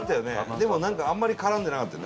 でもなんかあんまり絡んでなかったよね